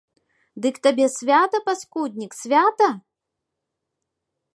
Дык табе свята, паскуднік, свята?